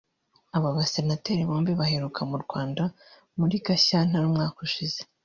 Aba basenateri bombi baheruka mu Rwanda muri Gashyantare umwaka ushize